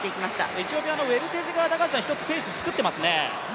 エチオピアのウェルテジ選手がペース作ってますね。